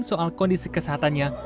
soal kondisi kesehatannya